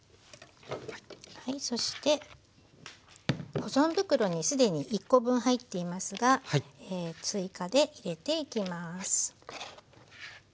そして保存袋に既に１コ分入っていますが追加で入れていきます。